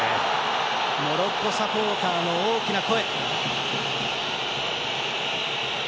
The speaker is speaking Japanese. モロッコサポーターの大きな声。